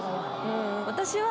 私は。